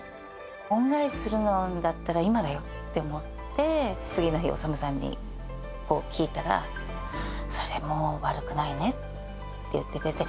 恩返しするんだったら今だよって思って、次の日、修さんに聞いたら、それも悪くないねって言ってくれて。